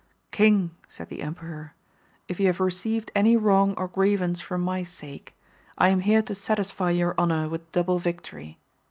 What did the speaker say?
King, said the emperor, if you have received any wrong or grievance for my sake, I am here to satisfy your honour with double victory.